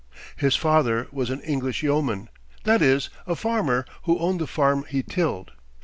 His father was an English yeoman; that is, a farmer who owned the farm he tilled.